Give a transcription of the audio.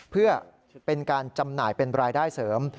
เพื่อเป็นการจำหน่ายเป็นรายได้เสริม